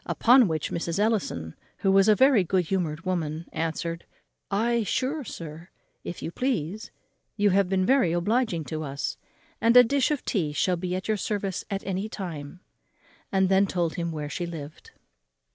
Upon which Mrs. Ellison, who was a very good humoured woman, answered, "Ay, sure, sir, if you please; you have been very obliging to us; and a dish of tea shall be at your service at any time;" and then told him where she lived.